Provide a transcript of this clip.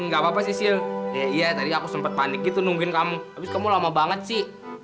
gak apa apa sisil ya iya tadi aku sempet panik gitu nungguin kamu abis kamu lama banget sih